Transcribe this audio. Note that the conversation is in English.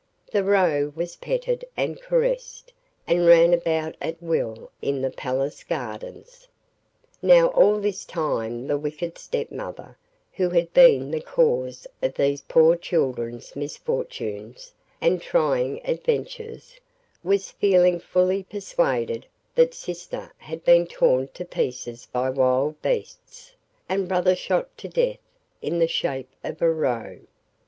The Roe was petted and caressed, and ran about at will in the palace gardens. Now all this time the wicked stepmother, who had been the cause of these poor children's misfortunes and trying adventures, was feeling fully persuaded that sister had been torn to pieces by wild beasts, and brother shot to death in the shape of a Roe.